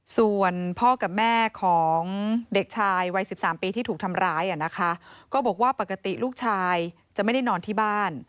ส่วนพ่อกับแม่ของเด็กชายวัย๑๓ปีที่ถูกทำร้ายนะคะก็บอกว่าปกติลูกชายจะไม่ได้นอนที่บ้าน